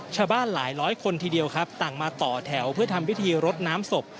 ชาวบ้านหลายร้อยคนทีเดียวครับต่างมาต่อแถวเพื่อทำพิธีรดน้ำศพ